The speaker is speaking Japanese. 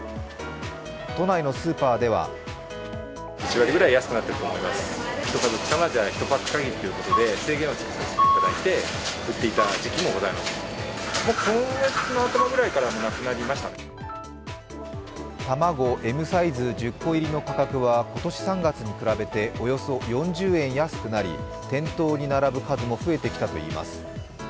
都内のスーパーでは卵Ｍサイズ１０個入りの価格は今年３月に比べておよそ４０円安くなり、店頭に並ぶ数も増えてきたといいます。